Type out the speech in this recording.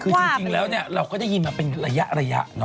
คือจริงแล้วเราก็ได้ยินมาเป็นระยะ